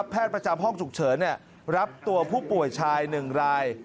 ประจำห้องฉุกเฉินรับตัวผู้ป่วยชาย๑ราย